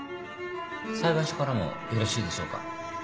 裁判所からもよろしいでしょうか。